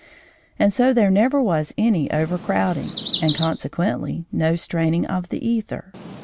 And so there never was any overcrowding, and consequently no straining of the æther.